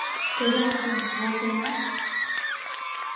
Чодыратым волтена